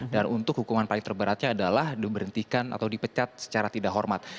untuk hukuman paling terberatnya adalah diberhentikan atau dipecat secara tidak hormat